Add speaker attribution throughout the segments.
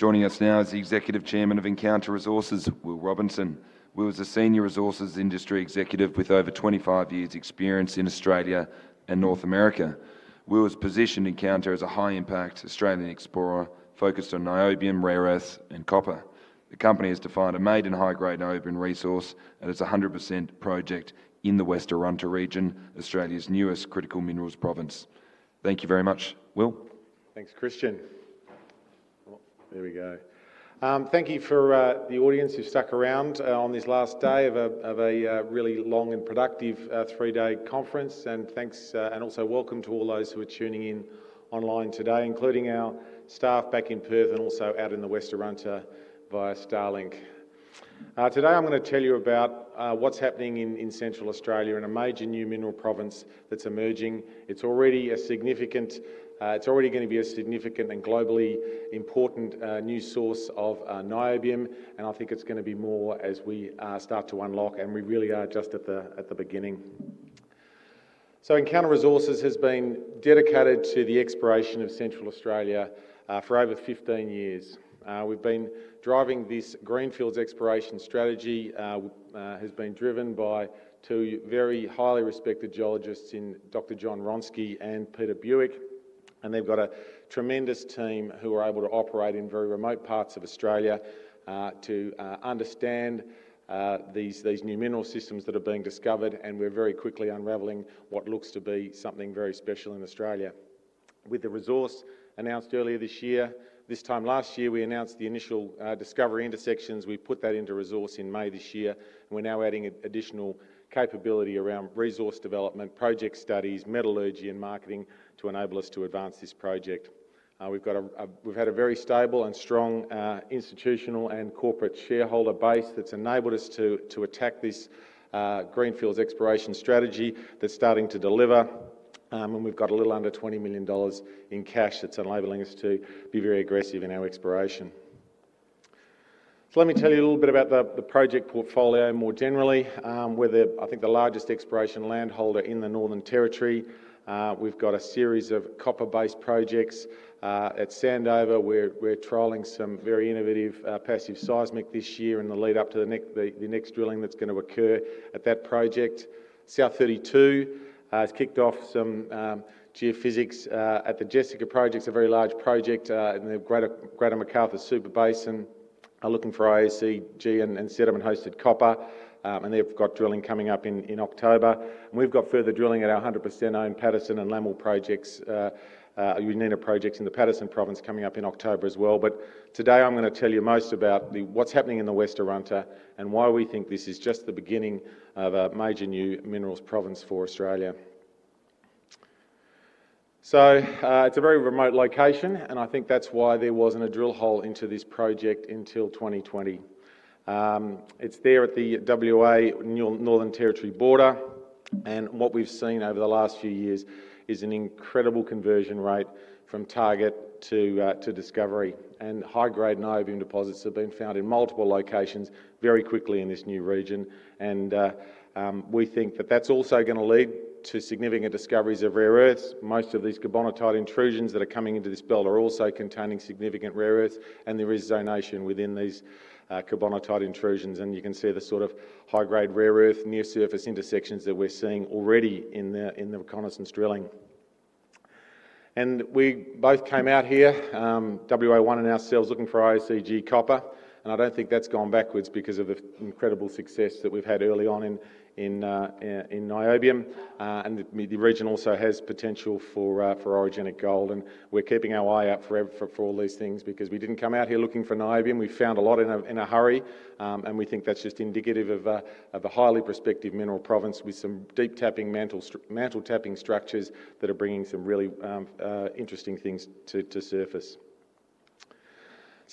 Speaker 1: Joining us now is the Executive Chairman of Encounter Resources, Will Robinson. Will is a Senior Resources Industry Executive with over 25 years' experience in Australia and North America. Will is positioned at Encounter as a high-impact Australian explorer focused on niobium, rare earth elements, and copper. The company has defined a high-grade niobium resource at its 100% project in the West Arunta region, Australia's newest critical minerals province. Thank you very much, Will.
Speaker 2: Thanks, Christian. There we go. Thank you for the audience who stuck around on this last day of a really long and productive three-day conference. Thanks, and also welcome to all those who are tuning in online today, including our staff back in Perth and also out in the West Arunta via Starlink. Today, I'm going to tell you about what's happening in Central Australia in a major new mineral province that's emerging. It's already a significant, it's already going to be a significant and globally important new source of niobium. I think it's going to be more as we start to unlock, and we really are just at the beginning. Encounter Resources has been dedicated to the exploration of Central Australia for over 15 years. We've been driving this Greenfields Exploration Strategy, which has been driven by two very highly respected geologists in Dr. John Hronsky and Peter Bewick. They've got a tremendous team who are able to operate in very remote parts of Australia to understand these new mineral systems that are being discovered. We're very quickly unravelling what looks to be something very special in Australia. With the resource announced earlier this year, this time last year, we announced the initial discovery intersections. We put that into resource in May this year. We're now adding additional capability around resource development, project studies, metallurgy, and marketing to enable us to advance this project. We've had a very stable and strong institutional and corporate shareholder base that's enabled us to attack this Greenfields Exploration Strategy that's starting to deliver. We've got a little under $20 million in cash that's enabling us to be very aggressive in our exploration. Let me tell you a little bit about the project portfolio more generally. We're the, I think, the largest exploration landholder in the Northern Territory. We've got a series of copper-based projects at Sandover. We're trialing some very innovative passive seismic this year in the lead-up to the next drilling that's going to occur at that project. South32 has kicked off some geophysics at the Jessica project, a very large project in the Greater MacArthur Superbasin, looking for IACG and sediment-hosted copper. They've got drilling coming up in October. We've got further drilling at our 100% owned Paterson and Lamil projects, unit projects in the Paterson province coming up in October as well. Today, I'm going to tell you most about what's happening in the West Arunta and why we think this is just the beginning of a major new minerals province for Australia. It's a very remote location, and I think that's why there wasn't a drill hole into this project until 2020. It's there at the WA-Northern Territory border. What we've seen over the last few years is an incredible conversion rate from target to discovery. High-grade niobium deposits have been found in multiple locations very quickly in this new region. We think that's also going to lead to significant discoveries of rare earths. Most of these carbonatite intrusions that are coming into this belt are also containing significant rare earths. There is zonation within these carbonatite intrusions. You can see the sort of high-grade rare earth near-surface intersections that we're seeing already in the reconnaissance drilling. We both came out here, WA1 and ourselves, looking for IACG copper. I don't think that's gone backwards because of the incredible success that we've had early on in niobium. The region also has potential for orogenic gold. We're keeping our eye out for all these things because we didn't come out here looking for niobium. We found a lot in a hurry. We think that's just indicative of a highly prospective mineral province with some deep tapping mantle tapping structures that are bringing some really interesting things to surface.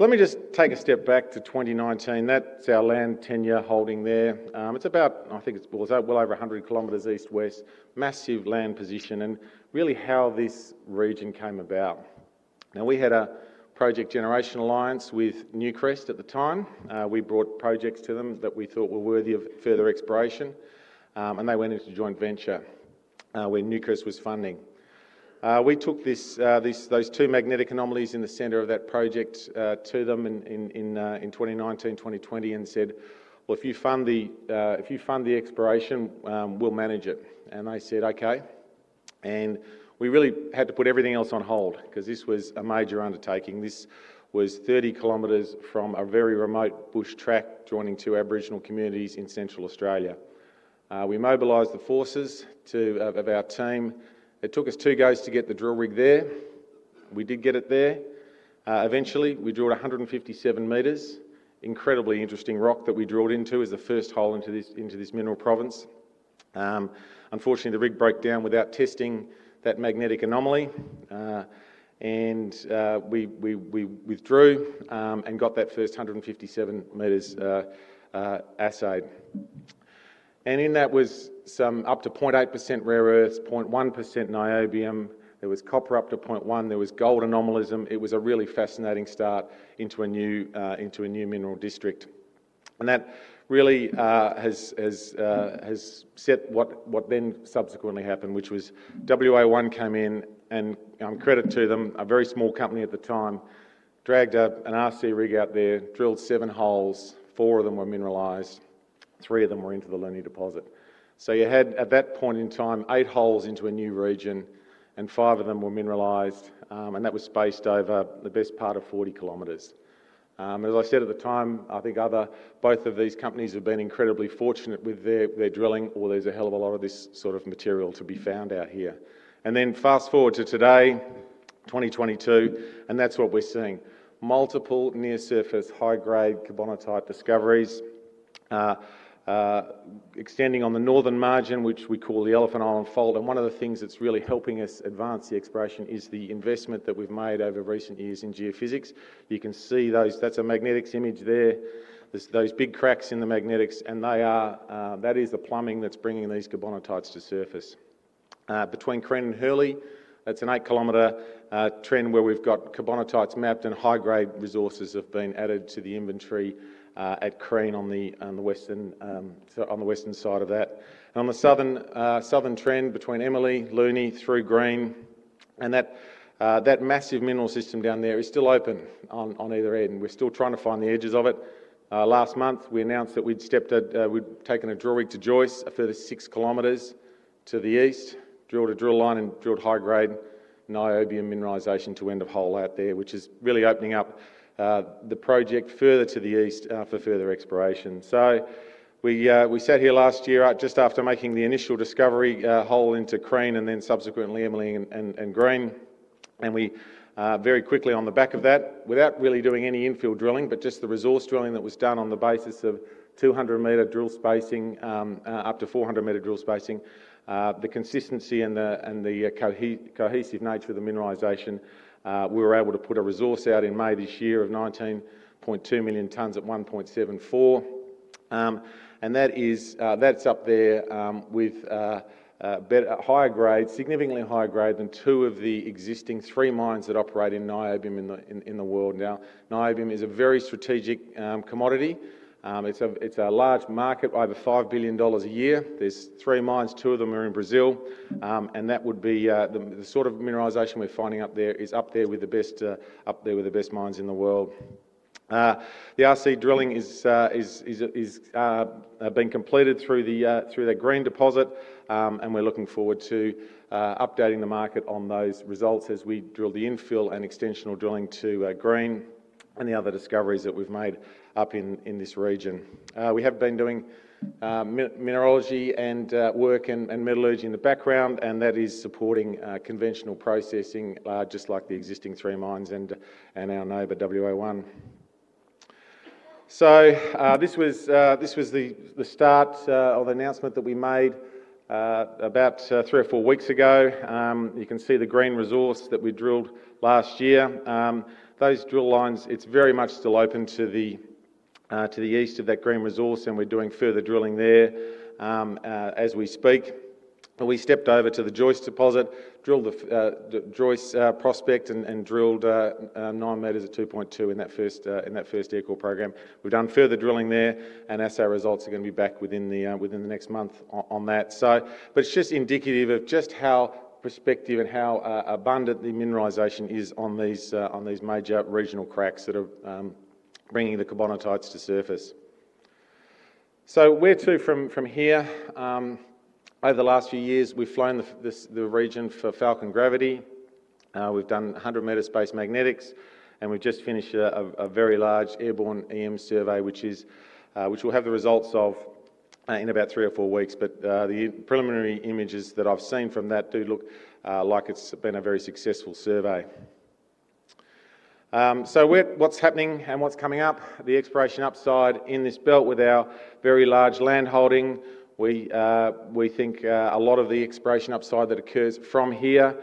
Speaker 2: Let me just take a step back to 2019. That's our land tenure holding there. It's about, I think it was well over 100 km east-west. Massive land position and really how this region came about. We had a Project Generation Alliance with Newcrest at the time. We brought projects to them that we thought were worthy of further exploration, and they went into joint venture when Newcrest was funding. We took those two magnetic anomalies in the center of that project to them in 2019-2020 and said, if you fund the exploration, we'll manage it. They said, OK. We really had to put everything else on hold because this was a major undertaking. This was 30 km from a very remote bush track joining two Aboriginal communities in Central Australia. We mobilized the forces of our team. It took us two goes to get the drill rig there. We did get it there. Eventually, we drilled 157 m. Incredibly interesting rock that we drilled into as the first hole into this mineral province. Unfortunately, the rig broke down without testing that magnetic anomaly. We withdrew and got that first 157 m assayed. In that was some up to 0.8% rare earths, 0.1% niobium. There was copper up to 0.1%. There was gold anomalism. It was a really fascinating start into a new mineral district. That really has set what then subsequently happened, which was WA1 came in and, credit to them, a very small company at the time, dragged an RC rig out there, drilled seven holes. Four of them were mineralized. Three of them were into the Lenne deposit. At that point in time, you had eight holes into a new region, and five of them were mineralized. That was spaced over the best part of 40 km. As I said at the time, I think both of these companies have been incredibly fortunate with their drilling, or there's a hell of a lot of this sort of material to be found out here. Fast forward to today, 2022, and that's what we're seeing. Multiple near-surface high-grade carbonatite discoveries extending on the northern margin, which we call the Elephant Island fold. One of the things that's really helping us advance the exploration is the investment that we've made over recent years in geophysics. You can see those, that's a magnetics image there. There are those big cracks in the magnetics. That is the plumbing that's bringing these carbonatites to surface. Between Crean and Hurley, that's an eight-kilometer trend where we've got carbonatites mapped and high-grade resources have been added to the inventory at Crean on the western side of that. On the southern trend between Emely, Looney, through Green, that massive mineral system down there is still open on either end. We're still trying to find the edges of it. Last month, we announced that we'd taken a drill rig to Joyce, 36 km to the east, drilled a drill line and drilled high-grade niobium mineralization to end of hole out there, which is really opening up the project further to the east for further exploration. We sat here last year just after making the initial discovery hole into Crean and then subsequently Emely and Green. We very quickly on the back of that, without really doing any infill drilling, but just the resource drilling that was done on the basis of 200 m drill spacing, up to 400 m drill spacing, the consistency and the cohesive nature of the mineralization, we were able to put a resource out in May this year of 19.2 million tonnes at 1.74. That's up there with higher grade, significantly higher grade than two of the existing three mines that operate in niobium in the world now. Niobium is a very strategic commodity. It's a large market, over $5 billion a year. There are three mines, two of them are in Brazil. That would be the sort of mineralization we're finding up there, it's up there with the best mines in the world. The RC drilling has been completed through the Green deposit. We're looking forward to updating the market on those results as we drill the infill and extensional drilling to Green and the other discoveries that we've made up in this region. We have been doing mineralogy and work and metallurgy in the background. That is supporting conventional processing, just like the existing three mines and our neighbor WA1. This was the start of the announcement that we made about three or four weeks ago. You can see the Green resource that we drilled last year. Those drill lines, it's very much still open to the east of that Green resource. We're doing further drilling there as we speak. We stepped over to the Joyce deposit, drilled the Joyce prospect, and drilled nine meters of 2.2 in that first echo program. We've done further drilling there. Our results are going to be back within the next month on that. It's just indicative of just how prospective and how abundant the mineralization is on these major regional cracks that are bringing the carbonatites to surface. Where to from here? Over the last few years, we've flown the region for Falcon gravity. We've done 100-meter space magnetics. We've just finished a very large airborne EM survey, which we'll have the results of in about three or four weeks. The preliminary images that I've seen from that do look like it's been a very successful survey. What's happening and what's coming up? The exploration upside in this belt with our very large landholding. We think a lot of the exploration upside that occurs from here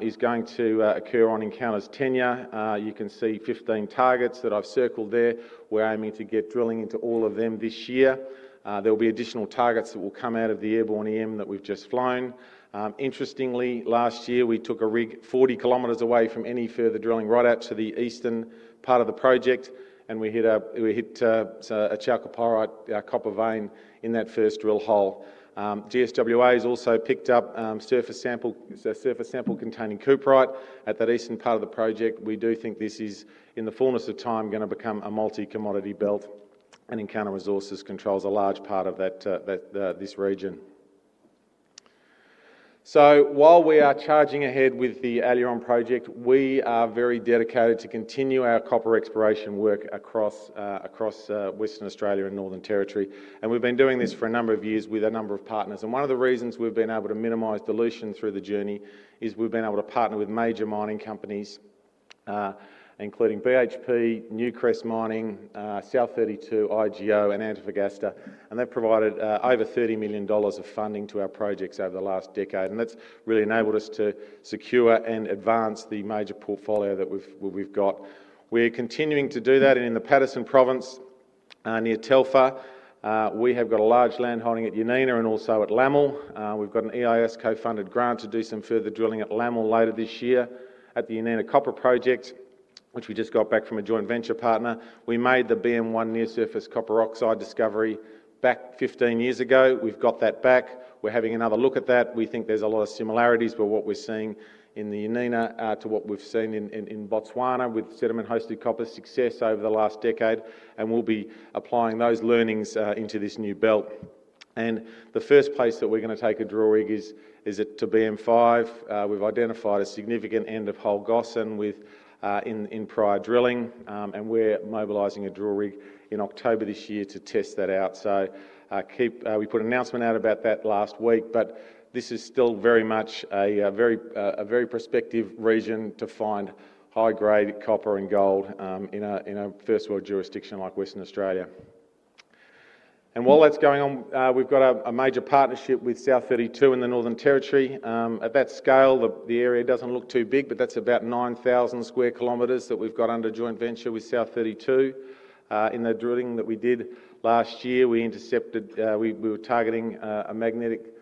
Speaker 2: is going to occur on Encounter's tenure. You can see 15 targets that I've circled there. We're aiming to get drilling into all of them this year. There'll be additional targets that will come out of the airborne EM that we've just flown. Interestingly, last year, we took a rig 40 km away from any further drilling right out to the eastern part of the project, and we hit a chalcopyrite copper vein in that first drill hole. The GWA has also picked up a surface sample containing cooperite at that eastern part of the project. We do think this is, in the fullness of time, going to become a multi-commodity belt, and Encounter Resources controls a large part of this region. While we are charging ahead with the Aileron project, we are very dedicated to continue our copper exploration work across Western Australia and Northern Territory. We've been doing this for a number of years with a number of partners. One of the reasons we've been able to minimize dilution through the journey is we've been able to partner with major mining companies, including BHP, Newcrest Mining, South32, IGO, and Antofagasta. They've provided over $30 million of funding to our projects over the last decade, and that's really enabled us to secure and advance the major portfolio that we've got. We're continuing to do that. In the Paterson province near Telfer, we have got a large landholding at Yanina and also at Lamil. We've got an EIS co-funded grant to do some further drilling at Lamil later this year at the Yeneena copper project, which we just got back from a joint venture partner. We made the BM1 near-surface copper oxide discovery back 15 years ago. We've got that back. We're having another look at that. We think there's a lot of similarities with what we're seeing in the Yeneena to what we've seen in Botswana with sediment-hosted copper success over the last decade. We'll be applying those learnings into this new belt. The first place that we're going to take a drill rig is to BM5. We've identified a significant end of hole gossan in prior drilling, and we're mobilizing a drill rig in October this year to test that out. We put an announcement out about that last week. This is still very much a very prospective region to find high-grade copper and gold in a first-world jurisdiction like Western Australia. While that's going on, we've got a major partnership with South32 in the Northern Territory. At that scale, the area doesn't look too big. That's about 9,000 sq km that we've got under joint venture with South32. In the drilling that we did last year, we were targeting a magnetic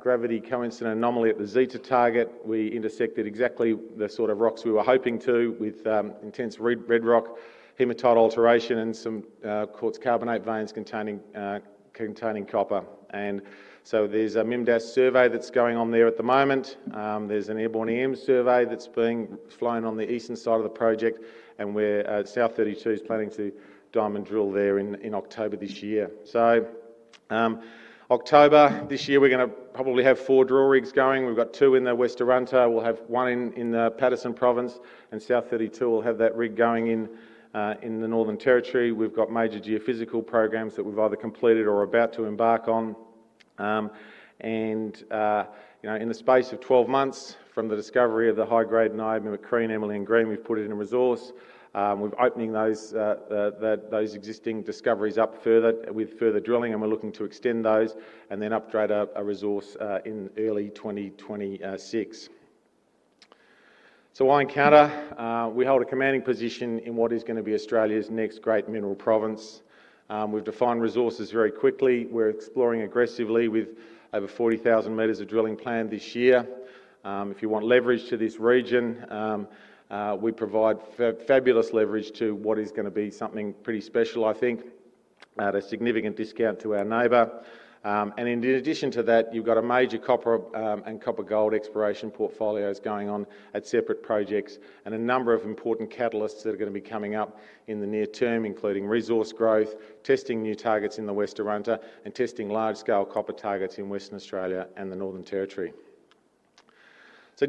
Speaker 2: gravity coincident anomaly at the Zeta target. We intersected exactly the sort of rocks we were hoping to with intense red rock hematite alteration and some quartz carbonate veins containing copper. There's a MIMDAS survey that's going on there at the moment. There's an airborne (EM survey that's being flown on the eastern side of the project. South32 is planning to diamond drill there in October this year. October this year, we're going to probably have four drill rigs going. We've got two in the West Arunta. We'll have one in the Paterson province, and South32 will have that rig going in the Northern Territory. We've got major geophysical programs that we've either completed or are about to embark on. In the space of 12 months from the discovery of the high-grade niobium at Crean, Emely, and Green, we've put in a resource. We're opening those existing discoveries up further with further drilling. We're looking to extend those and then upgrade a resource in early 2026. Why Encounter? We hold a commanding position in what is going to be Australia's next great mineral province. We've defined resources very quickly. We're exploring aggressively with over 40,000 m of drilling planned this year. If you want leverage to this region, we provide fabulous leverage to what is going to be something pretty special, I think, at a significant discount to our neighbor. In addition to that, you've got a major copper and copper-gold exploration portfolio going on at separate projects and a number of important catalysts that are going to be coming up in the near term, including resource growth, testing new targets in the West Arunta, and testing large-scale copper targets in Western Australia and the Northern Territory.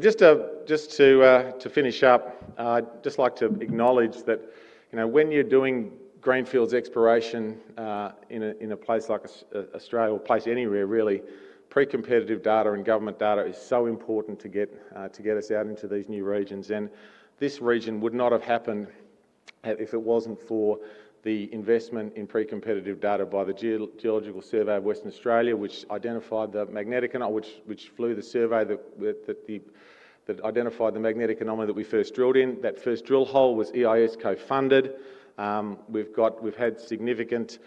Speaker 2: Just to finish up, I'd like to acknowledge that when you're doing Greenfields exploration in a place like Australia or a place anywhere, really, pre-competitive data and government data is so important to get us out into these new regions. This region would not have happened if it wasn't for the investment in pre-competitive data by the Geological Survey of Western Australia, which identified the magnetic anomaly, which flew the survey that identified the magnetic anomaly that we first drilled in. That first drill hole was EIS co-funded. We've had significant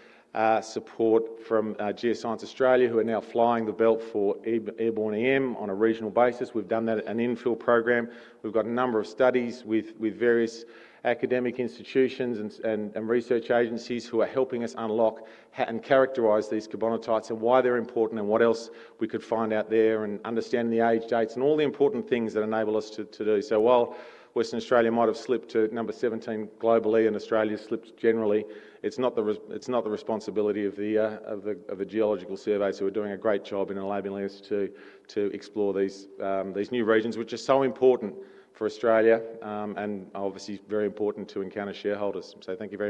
Speaker 2: support from Geoscience Australia, who are now flying the belt for airborne EM on a regional basis. We've done that at an infill program. We've got a number of studies with various academic institutions and research agencies who are helping us unlock and characterize these carbonatites and why they're important and what else we could find out there and understand the age dates and all the important things that enable us to do so. While Western Australia might have slipped to number 17 globally and Australia slipped generally, it's not the responsibility of a geological survey. We're doing a great job in enabling us to explore these new regions, which are so important for Australia and obviously very important to Encounter shareholders. Thank you very much.